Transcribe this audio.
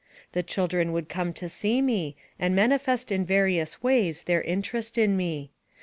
The children would come to see me, and manifest in various ways their interest in me.